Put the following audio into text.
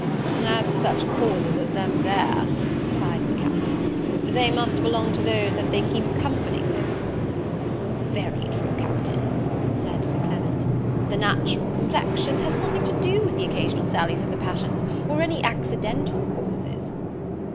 "As to such causes as them there," cried the Captain, "they must belong to those that they keep company with." "Very true, Captain," said Sir Clement; "the natural complexion has nothing to do with the occasional sallies of the passions, or any accidental causes."